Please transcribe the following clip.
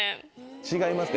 違いますか？